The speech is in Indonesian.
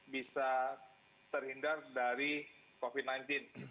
bisa terhindar dari covid sembilan belas